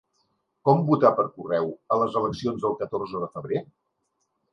Com votar per correu a les eleccions del catorze de febrer?